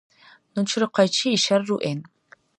Ну чарухъайчи, ишар руэн.